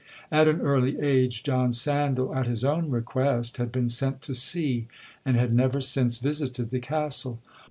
'At an early age John Sandal, at his own request, had been sent to sea, and had never since visited the Castle.